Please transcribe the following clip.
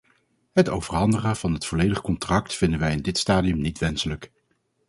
Het overhandigen van het volledige contract vinden wij in dit stadium niet wenselijk.